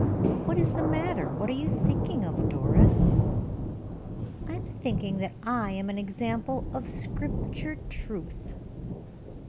"What is the matter? What are you thinking of, Doris?" "I am thinking that I am an example of Scripture truth."